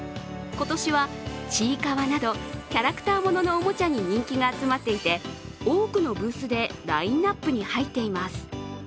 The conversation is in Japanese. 今年は、ちいかわなどキャラクターもののおもちゃに人気が集まっていて多くのブースでラインナップに入っています。